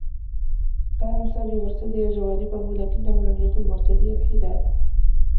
كان سامي مرتديا جواربه لكنّه لم يكن مرتديا حذاءه.